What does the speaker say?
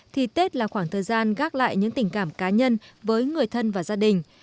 thì tết là khoảng thời gian gác lại những tình cảm cá nhân với người thân và gia đình